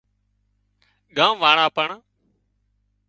ڳام واۯان پڻ